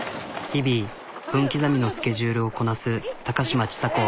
日々分刻みのスケジュールをこなす高嶋ちさ子。